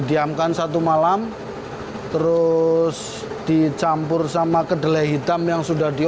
daun salam laos dan serai